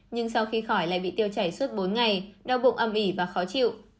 nhưng sau khi khỏi lại bị tiêu chảy suốt bốn ngày đau bụng âm ỉ và khó chịu